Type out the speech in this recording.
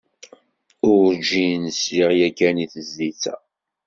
Urǧin sliɣ yakan i tezlit-a.